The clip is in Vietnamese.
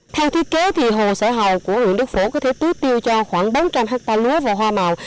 theo thiết kế hồ sở hầu của huyện đức phổ có thể tưới tiêu cho khoảng bốn trăm linh hectare lúa và hoa màu